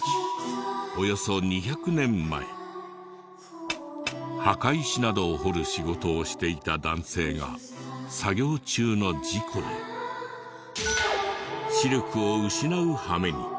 およそ墓石などを彫る仕事をしていた男性が作業中の事故で視力を失うはめに。